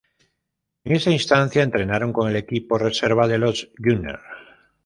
En esa instancia entrenaron con el equipo reserva de los Gunners.